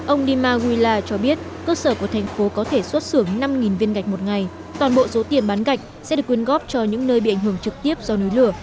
ông dima gwila cho biết cơ sở của thành phố có thể xuất xưởng năm viên gạch một ngày toàn bộ số tiền bán gạch sẽ được quyên góp cho những nơi bị ảnh hưởng trực tiếp do núi lửa